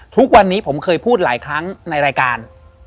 ทุกวันนี้ผมเคยพูดหลายครั้งในรายการ